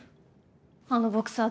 あのボクサー